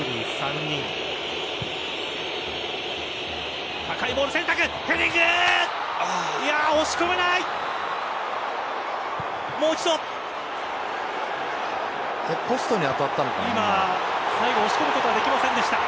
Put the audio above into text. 今、最後押し込むことはできませんでした。